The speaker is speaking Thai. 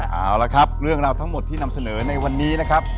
เอาละครับเรื่องราวทั้งหมดที่นำเสนอในวันนี้นะครับ